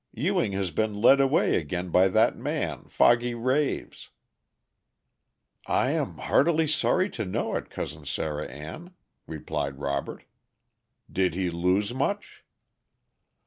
Ewing has been led away again by that man, Foggy Raves." "I am heartily sorry to know it, Cousin Sarah Ann," replied Robert. "Did he lose much?"